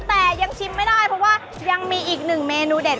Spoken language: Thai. แต่ยังชิมไม่ได้เพราะว่ายังมีอีกหนึ่งเมนูเด็ด